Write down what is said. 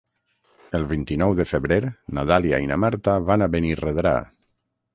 El vint-i-nou de febrer na Dàlia i na Marta van a Benirredrà.